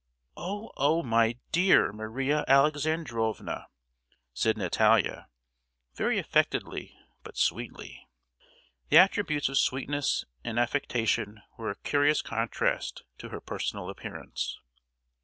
"Oh, oh! my dear Maria Alexandrovna!" said Natalia, very affectedly, but sweetly. The attributes of sweetness and affectation were a curious contrast to her personal appearance.